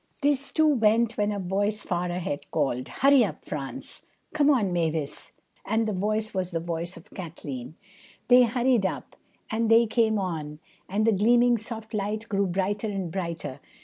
This, too, went when a voice far ahead called: "Hurry up, France—Come on, Mavis,"—and the voice was the voice of Kathleen. They hurried up, and they came on; and the gleaming soft light grew brighter and brighter.